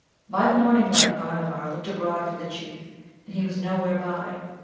By the morning light Bhanavar looked abroad for the Chief, and he was nowhere by.